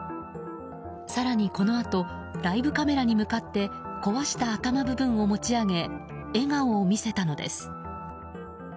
更にこのあとライブカメラに向かって壊した頭部分を持ち上げ笑顔を見せたのです。